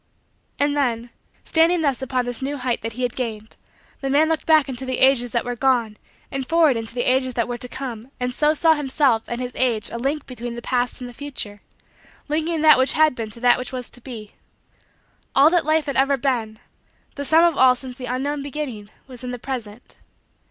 And then, standing thus upon this new height that he had gained, the man looked back into the ages that were gone and forward into the ages that were to come and so saw himself and his age a link between the past and the future; linking that which had been to that which was to be. All that Life had ever been the sum of all since the unknown beginning was in the present.